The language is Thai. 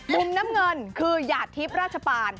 มุมน้ำเงินคือหยาดทิพย์ราชปาน